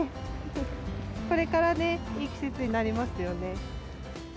これからね、いい季節になりますよね。